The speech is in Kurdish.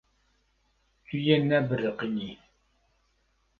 Tu yê nebiriqînî.